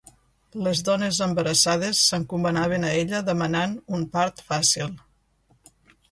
Les dones embarassades s'encomanaven a ella demanant un part fàcil.